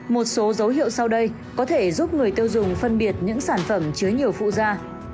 một số dấu hiệu sau đây có thể giúp người tiêu dùng phân biệt những sản phẩm chứa nhiều phụ gia